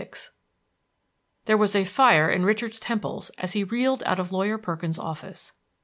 XXVI There was a fire in Richard's temples as he reeled out of Lawyer Perkins's office.